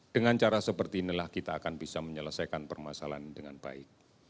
dengan cara seperti inilah kita akan bisa menyelesaikan permasalahan dengan baik